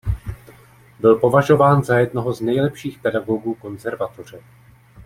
Byl považován za jednoho z nejlepších pedagogů konzervatoře.